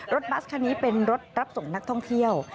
บัสคันนี้เป็นรถรับส่งนักท่องเที่ยว